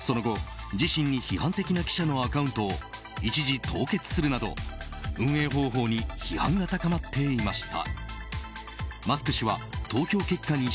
その後、自身に批判的な記者のアカウントを一時凍結するなど運営方法に批判が高まっていました。